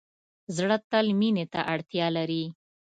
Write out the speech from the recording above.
زړه تل مینې ته اړتیا لري.